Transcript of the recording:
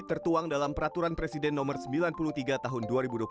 tertuang dalam peraturan presiden nomor sembilan puluh tiga tahun dua ribu dua puluh